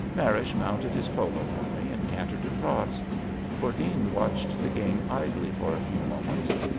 Marish mounted his polo pony and cantered across. Hordene watched the game idly for a few moments.